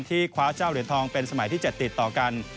คว้าเจ้าเหรียญทองเป็นสมัยที่๗ติดต่อกัน